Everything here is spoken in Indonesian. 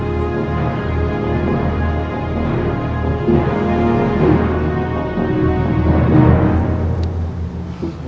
aku mau ke rumah rara